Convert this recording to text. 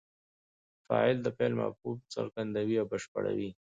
فاعل د فعل مفهوم څرګندوي او بشپړوي.